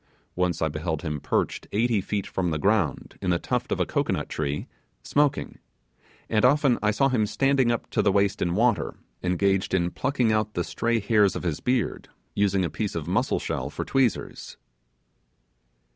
Once I beheld him perched eighty feet from the ground, in the tuft of a cocoanut tree, smoking; and often I saw him standing up to the waist in water, engaged in plucking out the stray hairs of his beard, using a piece of muscle shell for tweezers.